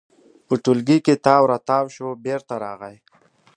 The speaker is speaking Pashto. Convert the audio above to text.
په ټولګي کې تاو راتاو شو، بېرته راغی.